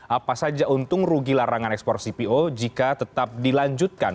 apa saja untung rugi larangan ekspor cpo jika tetap dilanjutkan